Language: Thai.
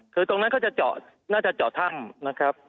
คือตรงนั้นเขาจะเจาะน่าจะเจาะถ้ำนะครับ